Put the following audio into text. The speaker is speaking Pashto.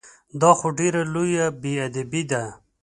دا خو ډېره لویه بې ادبي ده!